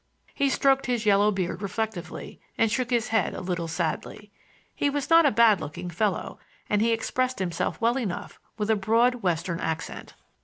He stroked his yellow beard reflectively and shook his head a little sadly. He was not a bad looking fellow; and he expressed himself well enough with a broad western accent.